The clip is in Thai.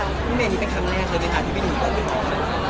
นี่แม่นี่เป็นครั้งแรกเลยค่ะที่พี่หนูก่อนไปมอง